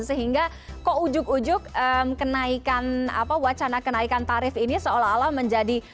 sehingga kok ujug ujug kenaikan apa wacana kenaikan tarif ini seolah olah menjadi